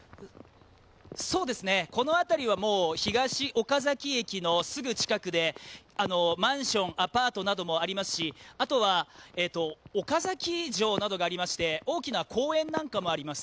この辺りは東岡崎駅のすぐ近くで、マンション、アパートなどもありますし、あとは岡崎城などがありまして大きな公園なんかもあります。